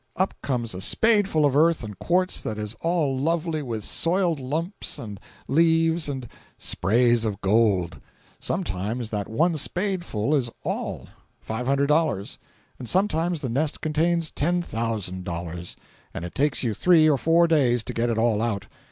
Up comes a spadeful of earth and quartz that is all lovely with soiled lumps and leaves and sprays of gold. Sometimes that one spadeful is all—$500. Sometimes the nest contains $10,000, and it takes you three or four days to get it all out.